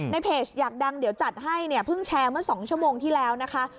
เพจอยากดังเดี๋ยวจัดให้เนี่ยเพิ่งแชร์เมื่อ๒ชั่วโมงที่แล้วนะคะ